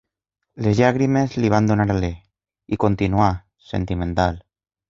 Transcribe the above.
Les llàgrimes li van donar alè, i continuà, sentimental